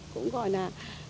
cũng gọi là